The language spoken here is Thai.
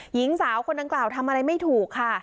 หญิงสาวคนดังกล่าวทำอะไรไม่ถูกค่ะ